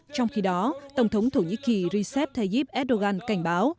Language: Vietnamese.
trong khi đó tổng thống thổ nhĩ kỳ recep tayyip erdogan cảnh báo